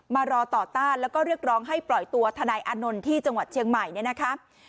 รอต่อต้านแล้วก็เรียกร้องให้ปล่อยตัวทนายอานนท์ที่จังหวัดเชียงใหม่เนี่ยนะคะ